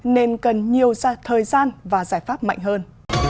nên cần nhiều thời gian và giải pháp mạnh hơn